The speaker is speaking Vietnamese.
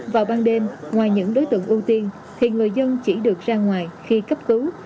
vào ban đêm ngoài những đối tượng ưu tiên thì người dân chỉ được ra ngoài khi cấp cứu